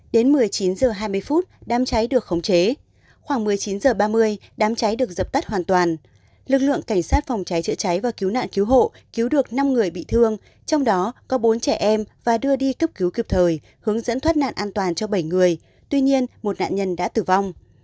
đến một mươi chín h hai mươi phút đám cháy được khống chế khoảng một mươi chín h ba mươi đám cháy được dập tắt hoàn toàn lực lượng cảnh sát phòng cháy chữa cháy và cứu nạn cứu hộ cứu được năm người bị thương trong đó có bốn trẻ em và đưa đi cấp cứu kịp thời hướng dẫn thoát nạn an toàn cho bảy người tuy nhiên một nạn nhân đã tử vong